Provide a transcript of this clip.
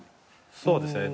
そうですね。